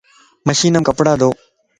مشين مَ ڪپڙا ڌو